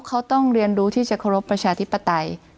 เขาต้องเรียนรู้ที่จะเคารพประชาธิปไตย